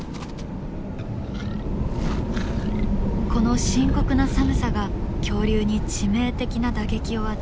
この深刻な寒さが恐竜に致命的な打撃を与え